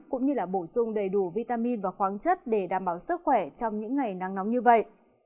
cũng như là bổ sung đầy đủ vitamin và khoáng chất để đảm bảo sức khỏe trong những ngày nắng nóng như vậy